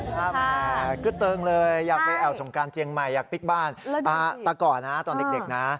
ค่ะคือเติมเลยอยากไปแอบสงกรานเชียงใหม่อยากปิ๊กบ้านแล้วดูสิตะก่อนนะตอนเด็กเด็กนะ